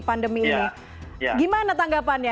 pandemi ini gimana tanggapannya